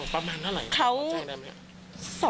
ประมาณเท่าไหร่